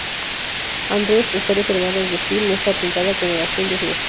Andrews está "reservada", es decir, no está pintada con el azul de su vestido.